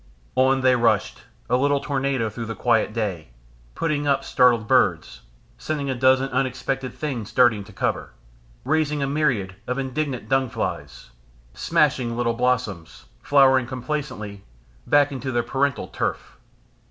On they rushed, a little tornado through the quiet day, putting up startled birds, sending a dozen unexpected things darting to cover, raising a myriad of indignant dung flies, smashing little blossoms, flowering complacently, back into their parental turf.